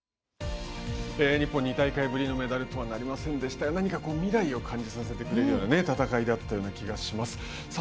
日本２大会ぶりのメダルとはなりませんでしたが何か未来を感じさしてくれるような戦いだったような気がします。